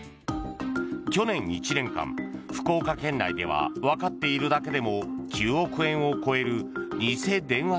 去年１年間、福岡県内ではわかっているだけでも９億円を超える偽電話